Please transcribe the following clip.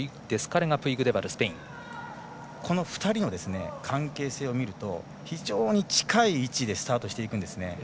２人の関係性を見ると非常に近い位置でスタートしていくんですね。